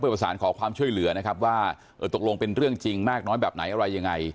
ประสานขอความช่วยเหลือนะครับว่าเออตกลงเป็นเรื่องจริงมากน้อยแบบไหนอะไรยังไง